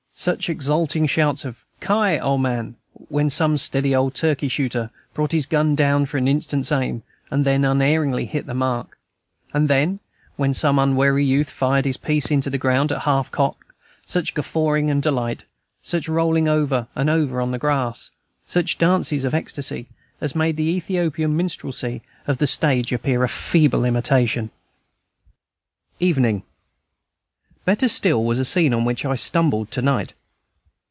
Such exulting shouts of "Ki! ole man," when some steady old turkey shooter brought his gun down for an instant's aim, and then unerringly hit the mark; and then, when some unwary youth fired his piece into the ground at half cock such guffawing and delight, such rolling over and over on the grass, such dances of ecstasy, as made the "Ethiopian minstrelsy" of the stage appear a feeble imitation. Evening. Better still was a scene on which I stumbled to night.